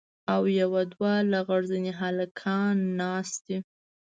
او يو دوه لغړ زني هلکان ناست دي.